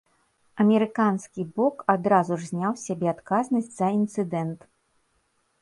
Амерыканская бок адразу ж зняла з сябе адказнасць за інцыдэнт.